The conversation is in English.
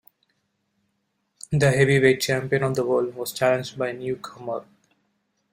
The heavyweight champion of the world was challenged by a newcomer.